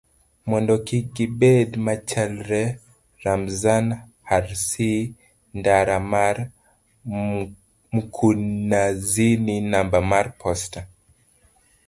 mondo kik gibed machalre. Ramzan Hirsi ndara mar Mkunazini namba mar posta